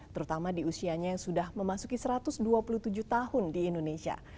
terutama di usianya yang sudah memasuki satu ratus dua puluh tujuh tahun di indonesia